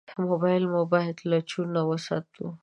موبایل مو باید له چور نه وساتو.